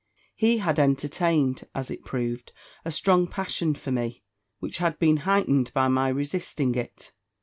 He had entertained, as it proved, a strong passion for me, which had been heightened by my resisting it.